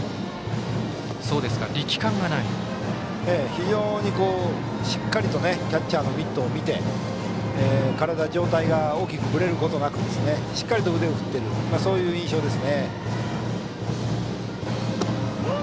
非常にしっかりとキャッチャーのミットを見て体、上体が大きくぶれることなくしっかり腕を振っている印象です。